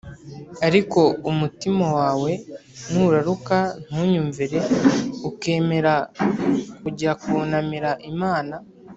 ariko umutima wawe nuraruka, ntunyumvire, ukemera kujya kunamira imana